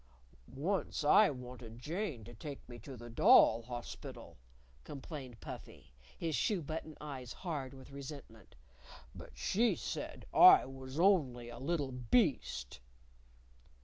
"Once I wanted Jane to take me to the Doll Hospital," complained Puffy, his shoe button eyes hard with resentment; "but she said I was only a little beast."